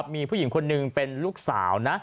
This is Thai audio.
มีผู้หญิงคนหนึ่งเป็นลูกสาวนะ